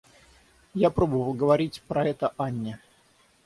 Я пробовал говорить про это Анне.